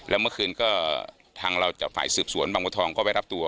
แล้วเมื่อคืนก็ทางเราจากฝ่ายสืบสวนบางบัวทองก็ไปรับตัว